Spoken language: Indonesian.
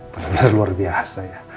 bener bener luar biasa ya